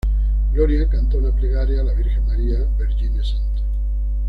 Gloria canta una plegaria a la Virgen María, "Vergine Santa".